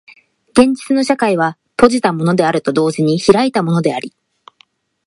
現実の社会は閉じたものであると同時に開いたものであり、